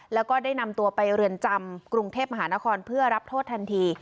แล้วก็ได้นำตัวไปเรือนจำกรุงเทพมหานครเพื่อรับโทษทันที